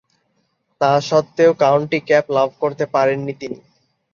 তাসত্ত্বেও county cap লাভ করতে পারেননি তিনি।